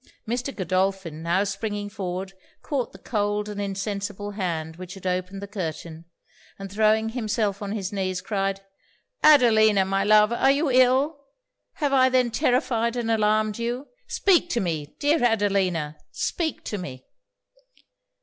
Mr. Godolphin now springing forward, caught the cold and insensible hand which had opened the curtain; and throwing himself on his knees, cried 'Adelina! my love! are you ill? have I then terrified and alarmed you? Speak to me dear Adelina speak to me!'